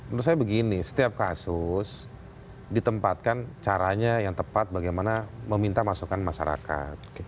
menurut saya begini setiap kasus ditempatkan caranya yang tepat bagaimana meminta masukan masyarakat